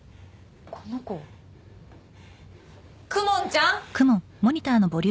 この子公文ちゃん？